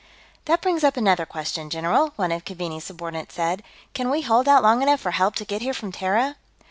"That brings up another question, general," one of Keaveney's subordinates said. "Can we hold out long enough for help to get here from Terra?"